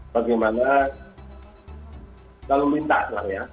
bagaimana kalau minta memang ya